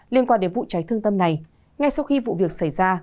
liên quan đến vụ cháy thương tâm này ngay sau khi vụ việc xảy ra